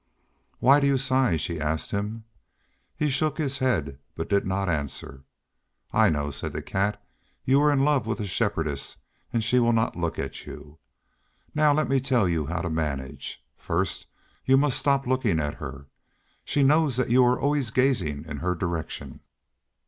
"Why do you sigh?" she asked him. He shook his head, but did not answer. "I know," said the Cat; "you are in love with the Shepherdess, and she will not look at you. Now, let me tell you how to manage. First, you must stop looking at her. She knows that you are always gazing in her direction."